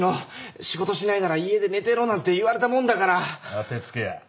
当て付けや。